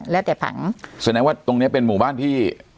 แล้วแต่ผังแสดงว่าตรงเนี้ยเป็นหมู่บ้านที่